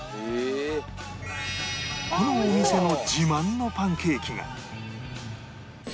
このお店の自慢のパンケーキが